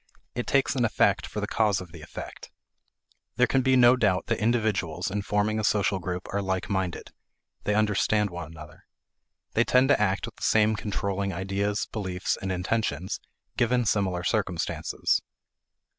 It takes an effect for the cause of the effect. There can be no doubt that individuals in forming a social group are like minded; they understand one another. They tend to act with the same controlling ideas, beliefs, and intentions, given similar circumstances.